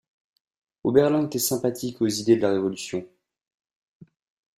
Oberlin était sympathique aux idées de la Révolution.